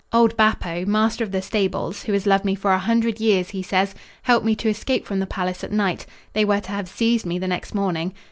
Old Bappo, master of the stables, who has loved me for a hundred years, he says, helped me to escape from the palace at night. They were to have seized me the next morning.